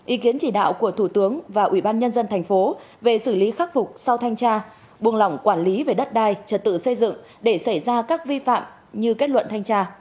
ý kiến chỉ đạo của thủ tướng và ubnd tp về xử lý khắc phục sau thanh tra buông lỏng quản lý về đất đai trật tự xây dựng để xảy ra các vi phạm như kết luận thanh tra